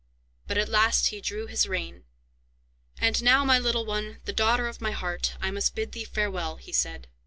But at last he drew his rein. "And now, my little one, the daughter of my heart, I must bid thee farewell," he said.